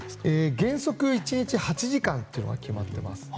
原則１日８時間というのが決まっています。